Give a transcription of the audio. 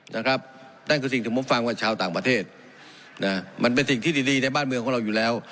นั่นคือสิ่งที่ผมฟังว่าชาวต่างประเทศนะมันเป็นสิ่งที่ดีดีในบ้านเมืองของเราอยู่แล้ว